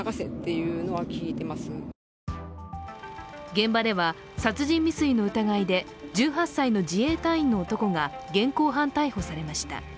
現場では、殺人未遂の疑いで１８歳の自衛隊員の男が現行犯逮捕されました。